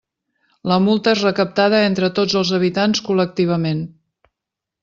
La multa és recaptada entre tots els habitants col·lectivament.